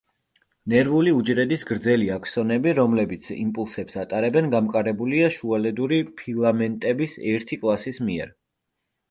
ნერვული უჯრედის გრძელი აქსონები, რომლებიც იმპულსებს ატარებენ, გამყარებულია შუალედური ფილამენტების ერთი კლასის მიერ.